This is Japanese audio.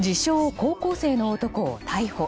高校生の男を逮捕。